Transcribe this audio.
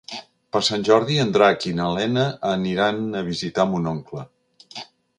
Per Sant Jordi en Drac i na Lena aniran a visitar mon oncle.